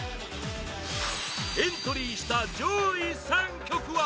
エントリーした上位３曲は